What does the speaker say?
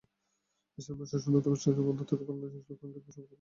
Station মাস্টার-শূন্যতা এবং station বন্ধ থাকায় বাংলাদেশ রেলওয়ে কাঙ্ক্ষিত সুফল পাবে না।